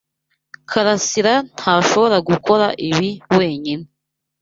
Karasira ntashobora gukora ibi wenyine.